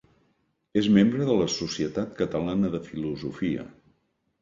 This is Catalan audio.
És membre de la Societat Catalana de Filosofia.